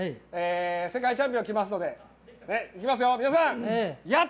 世界チャンピオンきますのでいきますよ、皆さん。